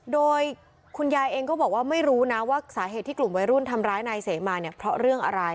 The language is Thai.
โดยคุณยายเองก็บอกว่าไม่รู้นะว่าสาเหตุที่กลุ่มวัยรุ่นทำร้ายนายเสมาเนี่ยเพราะเรื่องอะไร